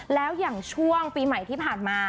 แล้วอย่างช่วงปีใหม่ที่ผ่านมา